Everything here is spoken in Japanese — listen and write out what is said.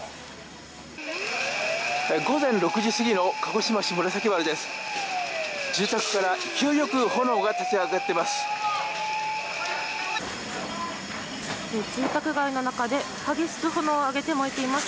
午前６時過ぎの鹿児島市紫原です。